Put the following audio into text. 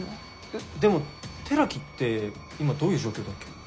えっでも寺木って今どういう状況だっけ？